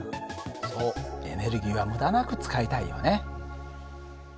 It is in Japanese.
そうエネルギーは無駄なく使いたいよね。